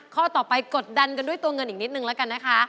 ข้อต่อไปกดดันกันด้วยตัวเงินอีกนิดนึงแล้วกันนะคะ